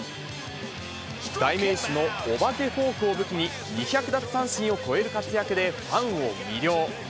代名詞のおばけフォークを武器に、２００奪三振を超える活躍でファンを魅了。